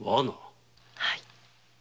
はい。